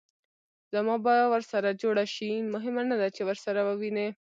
زما به ورسره جوړه شي؟ مهمه نه ده چې ورسره ووینې.